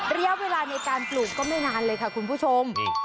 ระยะเวลาในการปลูกก็ไม่นานเลยค่ะคุณผู้ชม